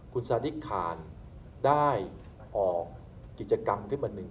คุณซานิกคานได้ออกกิจกรรมขึ้นวันหนึ่ง